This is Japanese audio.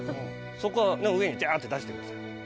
そこの上にジャって出してください。